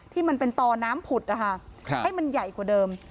ที่มันเป็นตอน้ำผุดนะคะให้มันใหญ่กว่าเดิม